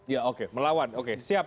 ya oke melawan oke siap